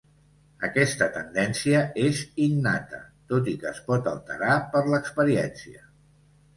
Aquesta tendència és innata, tot i que es pot alterar per l'experiència.